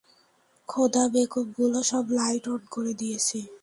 খোদা, বেকুব গুলো সব লাইট অন করে দিয়েছে!